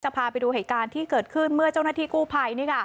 พาไปดูเหตุการณ์ที่เกิดขึ้นเมื่อเจ้าหน้าที่กู้ภัย